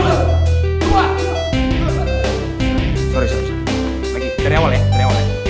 lagi dari awal ya dari awal ya